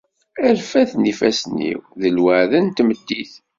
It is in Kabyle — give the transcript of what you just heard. Arfad n yifassen-iw, d lweɛda n tmeddit.